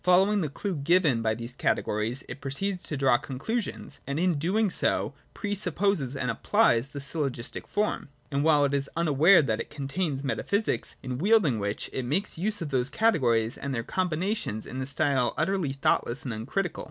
following the clue given by these categories it proceeds to draw conclu sions, and in so doing pre supposes and applies the syllogistic form. And all the while it is unaware that it contains metaphysics — in wielding which, it makes use of those categories and their combinations in a style utterly thoughtless and uncritical.